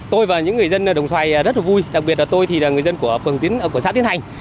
tôi và những người dân đồng xoài rất là vui đặc biệt là tôi thì là người dân của phường của xã tiến hành